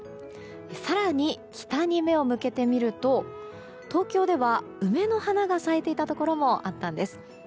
更に、北に目を向けてみると東京では梅の花が咲いていたところもあったんです。